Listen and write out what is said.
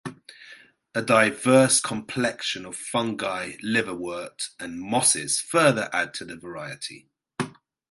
A diverse complexion of fungi, liverwort, and mosses further add to the variety.